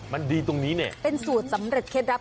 มันดีตรงนี้เนี่ยเป็นสูตรสำเร็จเคล็ดลับ